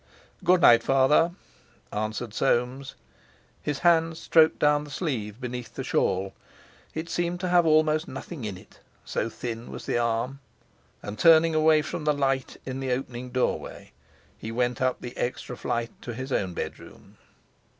"Good night, father," answered Soames. His hand stroked down the sleeve beneath the shawl; it seemed to have almost nothing in it, so thin was the arm. And, turning away from the light in the opening doorway, he went up the extra flight to his own bedroom.